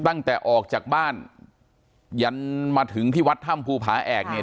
ตั้งแต่ออกจากบ้านยันมาถึงที่วัดถ้ำภูผาแอกเนี่ย